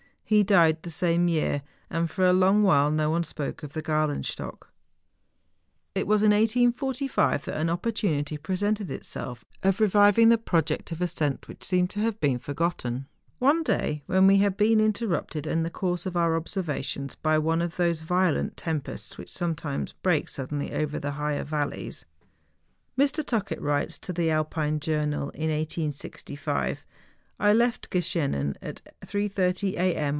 He died the same year ; and for a long while no one spoke of the Gralenstock. It was in 1845 that an opportunity presented itself of reviving the project of ascent which seemed to have been forgotten. One day, when we had been interrupted in the course of our observations by one of those violent tempests which sometimes break suddenly over the higher valleys,"^ we were * Mr. Tackett writes to the " Alpine Journal " in 1865 :" I left Geschenen at 3.30 a.m.